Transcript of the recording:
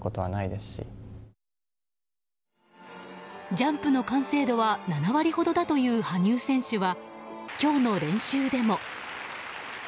ジャンプの完成度は７割ほどだという羽生選手は今日の練習でも。